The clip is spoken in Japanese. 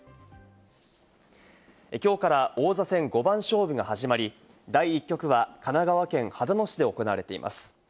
きょうから王座戦五番勝負が始まり、第１局は神奈川県秦野市で行われています。